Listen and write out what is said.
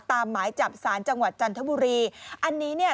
หมายจับสารจังหวัดจันทบุรีอันนี้เนี่ย